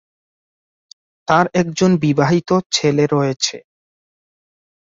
তার একজন বিবাহিত ছেলে রয়েছে।